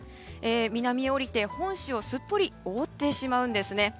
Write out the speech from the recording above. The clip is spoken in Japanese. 南に降りて本州をすっぽりと覆ってしまうんですね。